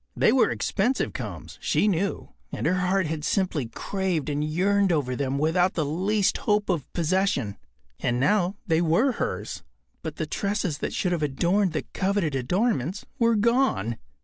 They were expensive combs, she knew, and her heart had simply craved and yearned over them without the least hope of possession. And now, they were hers, but the tresses that should have adorned the coveted adornments were gone.